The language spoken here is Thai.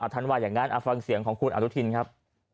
ท่านว่าอย่างนั้นฟังเสียงของคุณอนุทินครับ